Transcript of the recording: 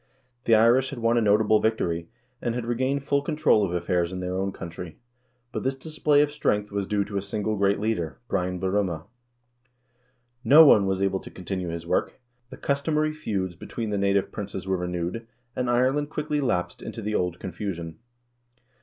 The Irish had won a notable victory, and had regained full control of affairs in their own country, but this display of strength was due to a single great leader — Brian Borumha. No one was able to continue his work; the customary feuds between the native princes wrere renewed, and Ireland quickly lapsed into the old confu sion.